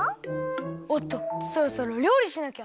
おっとそろそろりょうりしなきゃ。